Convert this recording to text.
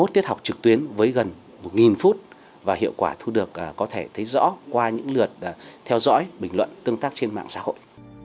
hai mươi tiết học trực tuyến với gần một phút và hiệu quả thu được có thể thấy rõ qua những lượt theo dõi bình luận tương tác trên mạng xã hội